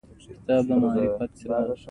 د هغه د درناوي لپاره لاهور ته ورسي.